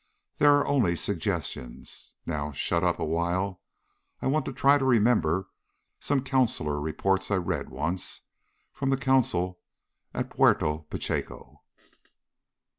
There are only suggestions. Now shut up a while. I want to try to remember some consular reports I read once, from the consul at Puerto Pachecho."